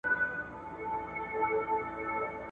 لاس مي شل ستونی مي وچ دی له ناکامه ګیله من یم ,